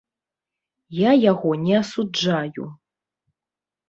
Я яго не асуджаю.